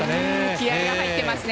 気合いが入ってますね。